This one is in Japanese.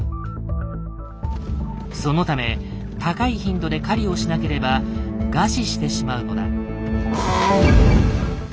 そのため高い頻度で狩りをしなければ餓死してしまうのだ。